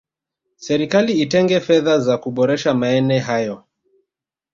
serikali itenge fedha za kuboresha maene hayo